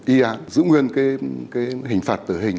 y án giữ nguyên hình phạt tử hình